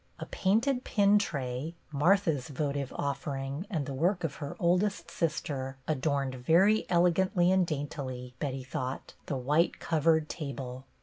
A painted pin tray, Martha's votive offering and the work of her oldest sister, adorned very elegantly and daintily, Betty thought, the white covered table.